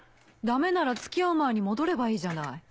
ダメなら付き合う前に戻ればいいじゃない。